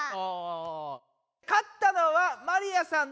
勝ったのはマリアさん